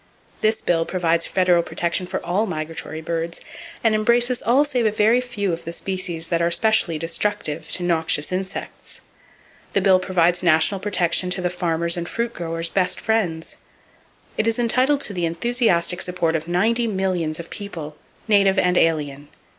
This bill provides federal protection for all migratory birds, and embraces all save a very few of the species that are specially destructive to noxious insects. The bill provides national protection to the farmer's and fruit grower's best friends. It is entitled to the enthusiastic support of 90,000,000 of people, native and alien.